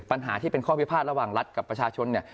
ปัญหาที่เป็นข้อพิพาทระหว่างรัฐกับประชาชนเนี่ย